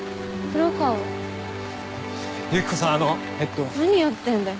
何やってんだよ。